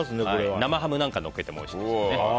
生ハムなんかをのっけてもおいしいですね。